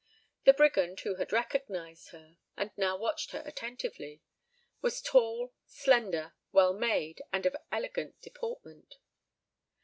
The Brigand who had recognised her, and now watched her attentively, was tall, slender, well made, and of elegant deportment.